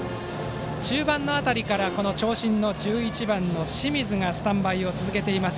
中盤辺りから長身の１１番清水がスタンバイを続けています。